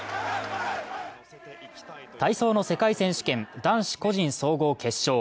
体操の世界選手権男子個人総合決勝。